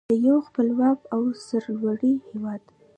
د یو خپلواک او سرلوړي هیواد.